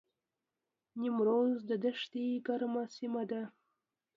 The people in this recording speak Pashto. نیمروز د دښتې ګرمه سیمه ده